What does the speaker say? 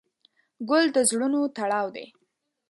ګل د زړونو تړاو دی.